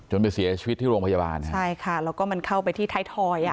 ไปเสียชีวิตที่โรงพยาบาลใช่ค่ะแล้วก็มันเข้าไปที่ท้ายทอยอ่ะ